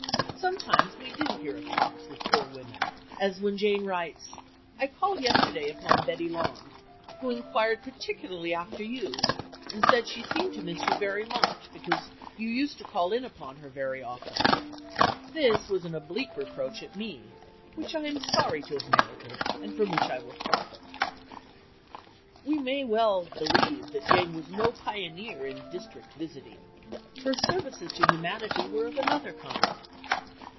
Sometimes we do hear of talks with poor women, as when Jane writes, "I called yesterday upon Betty Londe, who inquired particularly after you, and said she seemed to miss you very much, because you used to call in upon her very often. This was an oblique reproach at me, which I am sorry to have merited, and from which I will profit." We may well believe that Jane was no pioneer in "district visiting." Her services to humanity were of another kind.